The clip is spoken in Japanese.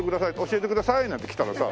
「教えてください！」なんて来たらさ。